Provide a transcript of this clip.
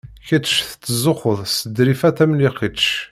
Kecc tettzuxxuḍ s Ḍrifa Tamlikect.